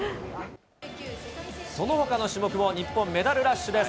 そのほかの種目も、日本メダルラッシュです。